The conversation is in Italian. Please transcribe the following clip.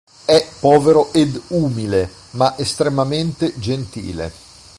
È povero ed umile, ma estremamente gentile.